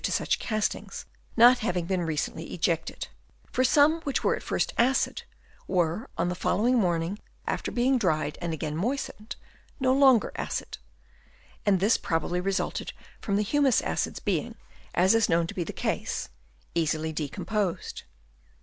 to such castings not having been recently ejected ; for some which were at first acid, were on the following morning, after being dried and again moistened, no longer acid ; and this probably resulted from the humus acids being, as is known to be the case, easily decomposed.